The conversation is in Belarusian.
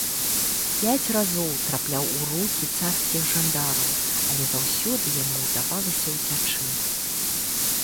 Пяць разоў трапляў у рукі царскіх жандараў, але заўсёды яму ўдавалася ўцячы.